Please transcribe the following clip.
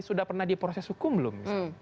sudah pernah di proses hukum belum